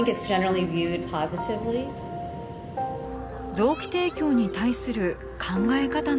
臓器提供に対する考え方の違い。